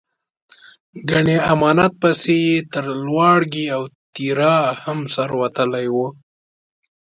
ګنې امامت پسې یې تر لواړګي او تیرا هم سر وتلی و.